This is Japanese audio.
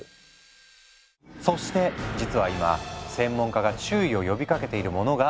そして実は今専門家が注意を呼びかけているものがある。